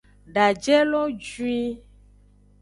Daje lo juin.